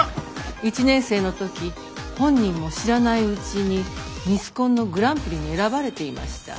１年生の時本人も知らないうちにミスコンのグランプリに選ばれていました。